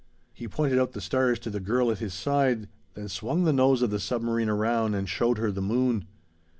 He pointed out the stars to the girl at his side, then swung the nose of the submarine around and showed her the moon.